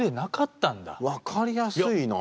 分かりやすいなぁ。